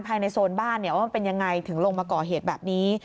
โซนบ้านว่ามันเป็นยังไงถึงลงมาก่อเหตุแบบนี้